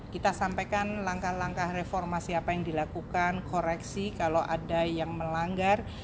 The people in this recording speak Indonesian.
kita sampaikan langkah langkah reformasi apa yang dilakukan koreksi kalau ada yang melanggar